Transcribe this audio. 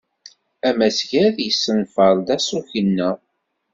Amasgad yessenfer-d aṣuk-inna.